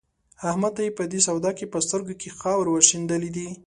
احمد ته يې په دې سودا کې په سترګو کې خاورې ور شيندلې دي.